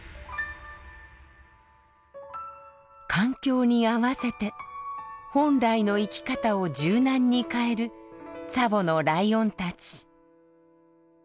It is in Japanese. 環境に合わせて本来の生き方を柔軟に変えるツァボのライオンたち。